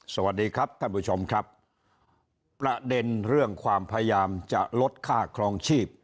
สวัสดีครับท่านผู้ชมครับประเด็นเรื่องความพยายามจะลดค่าครองชีพ